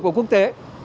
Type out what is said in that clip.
của quốc tế